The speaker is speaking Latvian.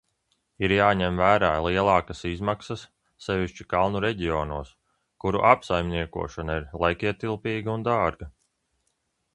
Ir jāņem vērā lielākas izmaksas, sevišķi kalnu reģionos, kuru apsaimniekošana ir laikietilpīga un dārga.